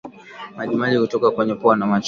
Majimaji kutoka kwenye macho na pua